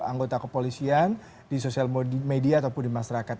anggota kepolisian di sosial media ataupun di masyarakat